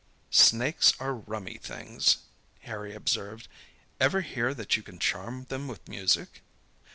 "Snakes are rummy things," Harry observed. "Ever hear that you can charm them with music?"